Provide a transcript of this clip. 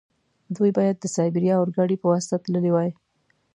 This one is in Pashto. دوی باید د سایبیریا اورګاډي په واسطه تللي وای.